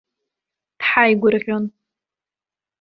Дҳаигәырӷьон.